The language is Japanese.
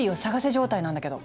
状態なんだけど。